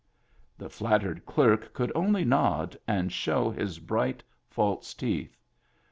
The flattered clerk could only nod and show his bright, false teeth.